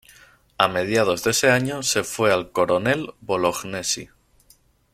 A mediados de ese año se fue al Coronel Bolognesi.